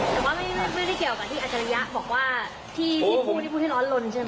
แต่ว่าไม่ได้เกี่ยวกับที่อัจฉริยะบอกว่าที่พูดนี่พูดให้ร้อนลนใช่ไหม